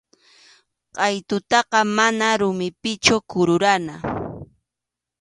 Qʼaytutaqa mana rumipichu kururana.